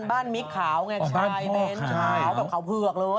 บ้านมิคขาวไงชายเบ้นขาวแบบขาวเผือกเลย